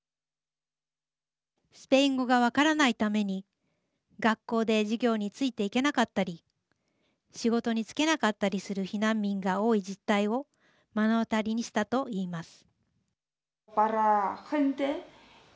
スペイン語が分からないために学校で授業についていけなかったり仕事に就けなかったりする避難民が多い実態を目の当たりにしたといいます。